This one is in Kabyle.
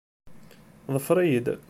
Ḍfer-iyi-d.